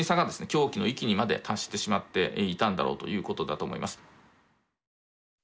狂気の域にまで達してしまっていたんだろうということだと思います。